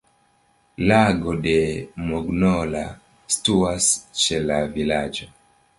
Lago de Mognola situas ĉe la vilaĝo.